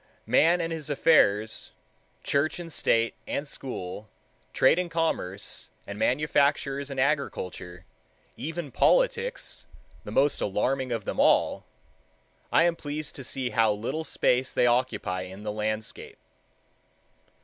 Man and his affairs, church and state and school, trade and commerce, and manufactures and agriculture even politics, the most alarming of them all,—I am pleased to see how little space they occupy in the landscape.